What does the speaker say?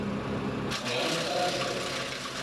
Молан от каласыже?